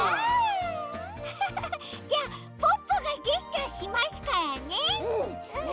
じゃあポッポがジェスチャーしますからね。よ